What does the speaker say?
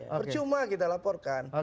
percuma kita laporkan